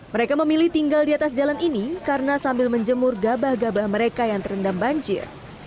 mereka memilih tinggal di atas jalan ini karena sambil menjemur gabah gabah mereka yang terendam banjir